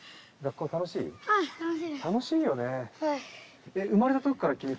楽しいよね！